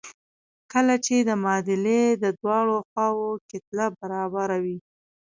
کله چې د معادلې د دواړو خواوو کتله برابره وي.